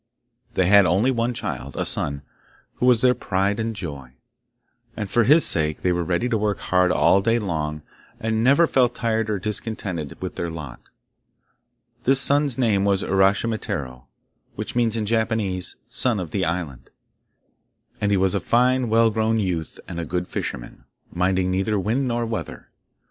They had only one child, a son, who was their pride and joy, and for his sake they were ready to work hard all day long, and never felt tired or discontented with their lot. This son's name was Uraschimataro, which means in Japanese, 'Son of the island,' and he was a fine well grown youth and a good fisherman, minding neither wind nor weather.